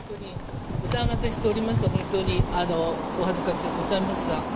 お騒がせしております、本当にお恥ずかしゅうございますが。